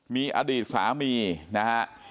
มีอดีตสามีนะครับ